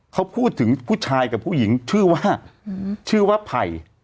เขาพูดถึงผู้ชายกับผู้หญิงชื่อว่าชื่อว่าไผ่